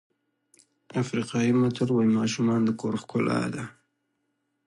افریقایي متل وایي ماشومان د کور ښکلا ده.